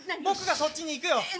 僕がそっちに行くよ。